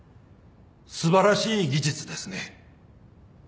素晴らしい技術ですね。